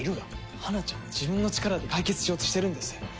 花ちゃんは自分の力で解決しようとしてるんです。